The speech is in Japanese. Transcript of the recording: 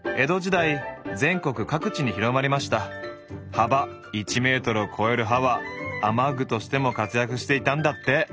幅１ｍを超える葉は雨具としても活躍していたんだって。